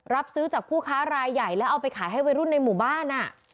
รับซื้อจากผู้ค้ารายใหญ่แล้วเอาไปขายให้วัยรุ่นในหมู่บ้าน